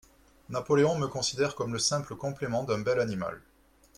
Napoléon me considère comme le simple complément d'un bel animal.